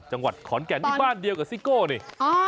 จังหวัดขอนแก่นนี่บ้านเดียวกับซิโก้นี่